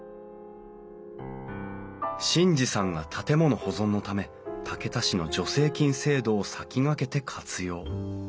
眞二さんが建物保存のため竹田市の助成金制度を先駆けて活用。